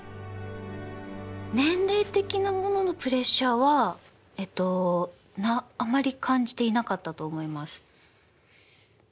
年齢的なもののプレッシャーはえっとあまり感じていなかったと思います。